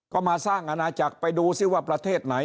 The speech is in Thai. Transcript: ก็มาสร้างอาณาจักรไปดูซิว่าประเทศไหน